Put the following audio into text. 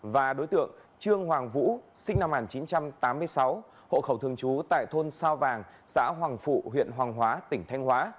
và đối tượng trương hoàng vũ sinh năm một nghìn chín trăm tám mươi sáu hộ khẩu thường trú tại thôn sao vàng xã hoàng phụ huyện hoàng hóa tỉnh thanh hóa